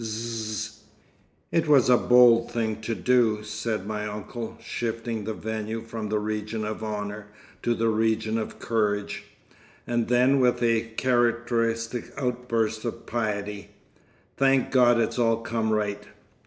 Zzzz.... "It was a bold thing to do," said my uncle, shifting the venue from the region of honour to the region of courage. And then with a characteristic outburst of piety, "Thank God it's all come right!